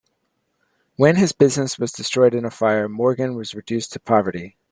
When his business was destroyed in a fire, Morgan was reduced to poverty.